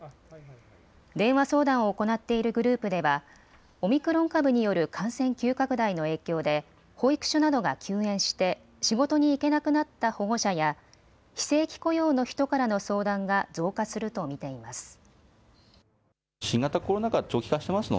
電話相談を行っているグループではオミクロン株による感染急拡大の影響で保育所などが休園して、仕事に行けなくなった保護者や非正規雇用の人からの相談が増加すると見ています。